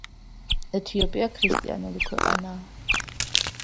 ეთიოპია ქრისტიანული ქვეყანაა.